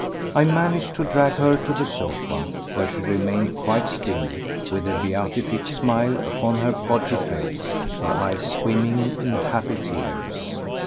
I managed to drag her to the sofa, where she remained quite still, with a beatific smile upon her podgy face, her eyes swimming in happy tears.